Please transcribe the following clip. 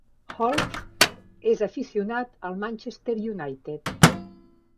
Holmes és aficionat al Manchester United.